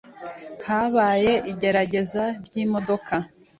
Habaye igerageza ry’imodoka